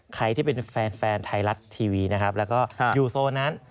ใครที่เป็นแฟนไทยรัฐทีวีนะครับแล้วก็อยู่โซนนั้น